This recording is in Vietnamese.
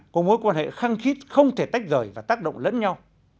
có mối quan hệ khăng khít không thể tách rời và tác động lẫn nhau